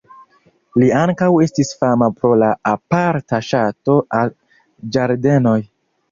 Li ankaŭ estis fama pro la aparta ŝato al ĝardenoj.